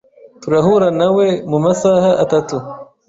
Turahura nawe mumasaha atatu.